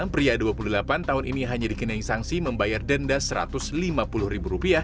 pria dua puluh delapan tahun ini hanya dikenai sanksi membayar denda rp satu ratus lima puluh